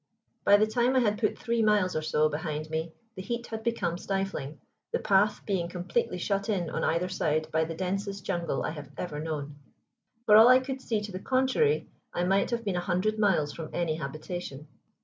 By the time I had put three miles or so behind me the heat had become stifling, the path being completely shut in on either side by the densest jungle I have ever known. For all I could see to the contrary, I might have been a hundred miles from any habitation.